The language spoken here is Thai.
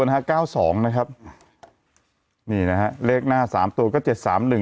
นะฮะเก้าสองนะครับนี่นะฮะเลขหน้าสามตัวก็เจ็ดสามหนึ่ง